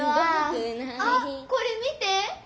あっこれ見て！